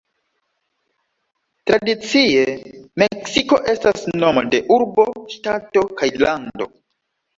Tradicie, "Meksiko" estas nomo de urbo, ŝtato, kaj lando.